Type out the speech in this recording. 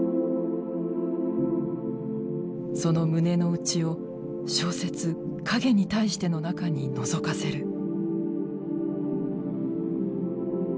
その胸のうちを小説「影に対して」の中にのぞかせる。